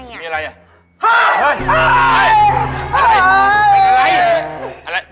มีความรู้สึกว่า